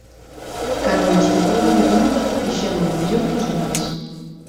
Cando nos tocou gobernar, fixémolo mellor que os demais.